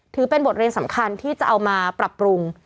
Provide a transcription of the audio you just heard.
ถือเป็นบทเรียนสำคัญที่จะเอามาปรับปรุง